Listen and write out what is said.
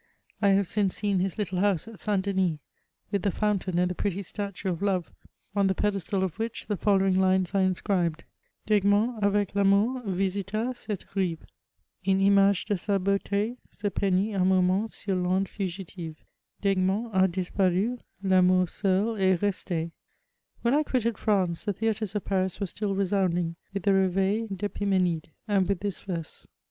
I have since seen his little house at St. Denis, with the fountain and the pretty statue of Love, on the pedestal of which the following lines are inscribed : D'£g^ont avec TAmour visita oette rive ; line image de sa beaute *> Se peignit un moment sur Fonde fugitive : D'Egmont a disparu ; TAmoor seul est reste. When I quitted France, the theatres of Paris were still re sounding with the Reveil d'Epimdnidey and with this verse : VOL.